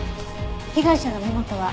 被害者の身元は？